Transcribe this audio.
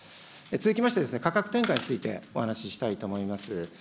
続きまして、価格転嫁についてお話したいと思います。